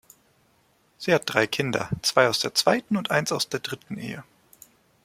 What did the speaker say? Sie hat drei Kinder; zwei aus der zweiten und eins aus der dritten Ehe.